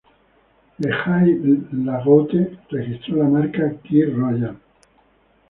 Lejay-Lagoute registró la marca Kir Royal®.